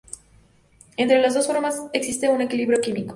Entre las dos formas existe un equilibrio químico.